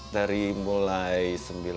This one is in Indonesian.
dari mulai sembilan